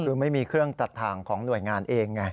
คือไม่มีเครื่องตัดทางของหน่วยงานเองไง